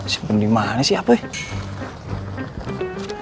siapa yang dimana sih apa ya